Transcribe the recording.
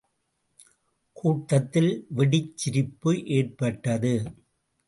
கூட்டத்தில் வெடிச் சிரிப்பு ஏற்பட்டது.